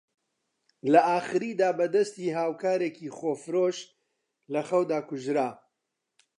لە ئاخریدا بە دەستی هاوکارێکی خۆفرۆش لە خەودا کوژرا